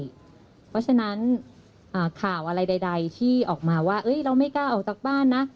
เพราะฉะนั้นข่าวอะไรใดที่ออกมาว่าเราไม่กล้าออกจากบ้านนะ